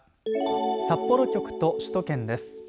札幌局と首都圏です。